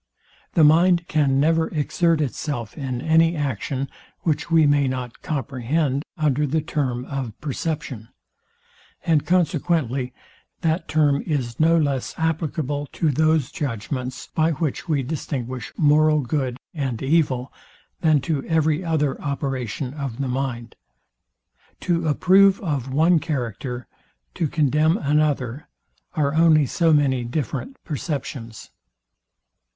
The mind can never exert itself in any action, which we may not comprehend under the term of perception; and consequently that term is no less applicable to those judgments, by which we distinguish moral good and evil, than to every other operation of the mind. To approve of one character, to condemn another, are only so many different perceptions.